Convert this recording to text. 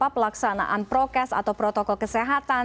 pelaksanaan prokes atau protokol kesehatan